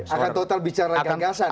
akan total bicara gagasan